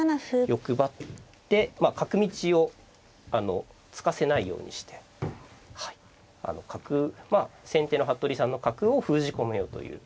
欲張ってまあ角道をあの突かせないようにしてあの角まあ先手の服部さんの角を封じ込めようという。